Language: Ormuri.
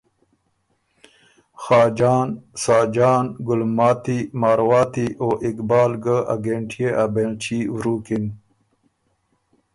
خاجان، ساجان، ګُلماتی، مارواتی او اقبال ګۀ ا ګهېنټيې ا بېنلچي ورُوکِن،